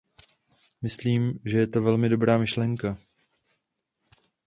Myslím, že je to velmi dobrá myšlenka.